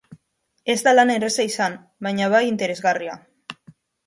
Ez da lan erraza izan, baina, bai, interesgarria.